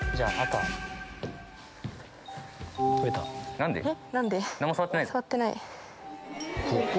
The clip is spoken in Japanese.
何も触ってない？